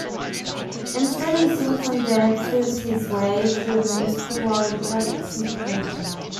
Instead, he sings and dances his way through a musical world in perfect syncopation.